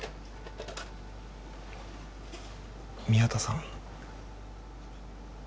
宮田さん。